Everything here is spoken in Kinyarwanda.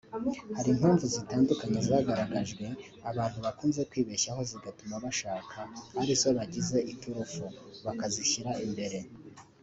Hari impamvu zitandukanye zagaragajwe abantu bakunze kwibeshyaho zigatuma bashaka ari zo bagize iturufu (bakazishyira imbere)